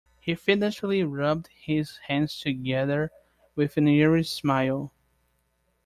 He fiendishly rubbed his hands together with an eerie smile.